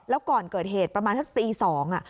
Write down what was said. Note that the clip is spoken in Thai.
แล้วก่อนเกิดเหตุประมาณสักตี๒